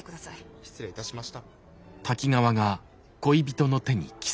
失礼いたしました。